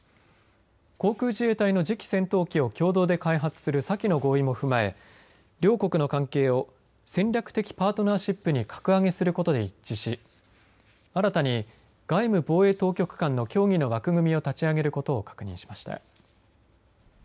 航空自衛隊の次期戦闘機を共同で開発する先の合意も踏まえ両国の関係を戦略的パートナーシップに格上げすることで一致し新たに外務・防衛当局間の協議の枠組みを立ち上げることを確認しました。